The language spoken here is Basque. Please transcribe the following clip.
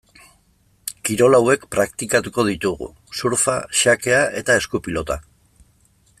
Kirol hauek praktikatuko ditugu: surfa, xakea eta eskupilota.